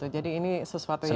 jadi ini sesuatu yang